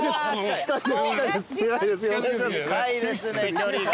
近いですね距離が。